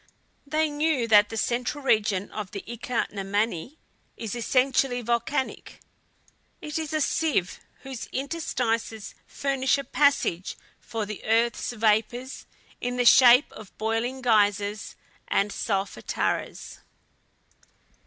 They knew that the central region of the Ika na Mani is essentially volcanic. It is a sieve, whose interstices furnish a passage for the earth's vapors in the shape of boiling geysers and solfataras.